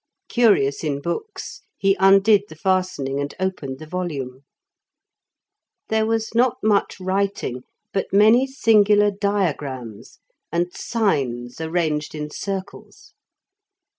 Curious in books, he undid the fastening, and opened the volume. There was not much writing, but many singular diagrams, and signs arranged in circles.